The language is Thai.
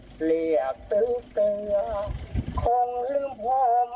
ขายมาตั้งสี่สิบกว่าปีแล้ว